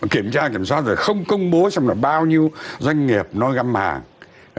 kiểm tra kiểm soát rồi không công bố xem là bao nhiêu doanh nghiệp nói găm hàng